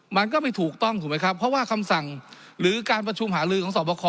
มันก็ไม่ถูกต้องถูกไหมครับเพราะว่าคำสั่งหรือการประชุมหาลือของสอบคอ